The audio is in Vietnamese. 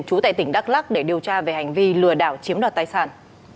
chú tại tỉnh đắk lắc để điều tra về hành vi lừa đảo chiếm đoạt tài sản